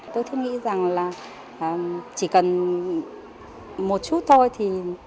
tôi thích nghĩ rằng là chỉ cần một chút thôi thì